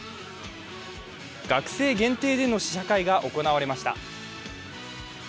学生限定での試写会が行われました。